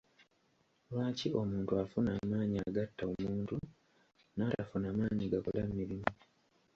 Lwaki omuntu afuna amaanyi agatta omuntu n'atafuna maanyi gakola mirimu.